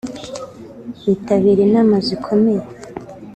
witabira inama zikomeye